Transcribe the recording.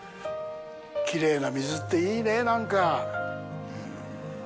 きれいな水っていいねぇ、なんか。